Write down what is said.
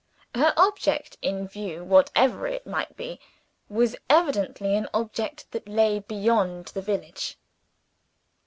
Her object in view, whatever it might be, was evidently an object that lay beyond the village.